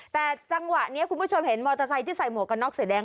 แต่จังหวะนี้คุณผู้ชมเห็นมอเตอร์ไซค์ที่ใส่หมวกกันน็อกสีแดง